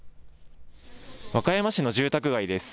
和歌山市の住宅街です。